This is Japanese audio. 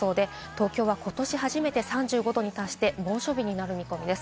東京はことし初めて３５度に達して猛暑日になる見込みです。